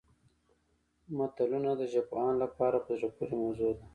متلونه د ژبپوهانو لپاره په زړه پورې موضوع ده